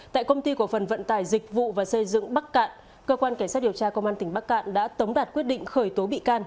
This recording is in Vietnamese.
tại công ty cổ phần vận tải dịch vụ và xây dựng bắc cạn cơ quan cảnh sát điều tra công an tỉnh bắc cạn đã tống đạt quyết định khởi tố bị can